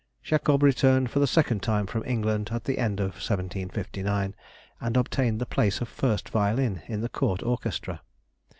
Jacob returned for the second time from England at the end of 1759, and obtained the place of first violin in the court orchestra.